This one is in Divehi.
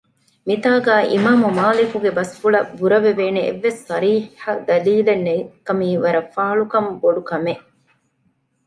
މިތާގައި އިމާމުމާލިކުގެ ބަސްފުޅަށް ބުރަވެވޭނެ އެއްވެސް ޞަރީޙަ ދަލީލެއް ނެތްކަމީ ވަރަށް ފާޅުކަން ބޮޑުކަމެއް